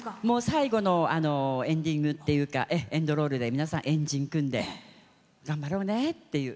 最後のエンディングっていうかエンドロールで皆さん円陣組んで頑張ろうねっていう。